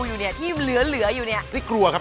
หมวกปีกดีกว่าหมวกปีกดีกว่า